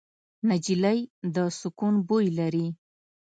نجلۍ د سکون بوی لري.